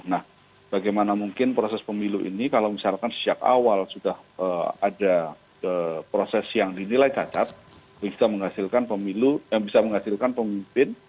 nah bagaimana mungkin proses pemilu ini kalau misalkan sejak awal sudah ada proses yang dinilai cacat bisa menghasilkan pemilu yang bisa menghasilkan pemimpin